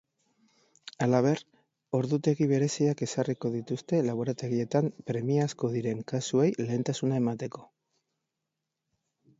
Halaber, ordutegi bereziak ezarriko dituzte laborategietan premiazkoak diren kasuei lehentasuna emateko.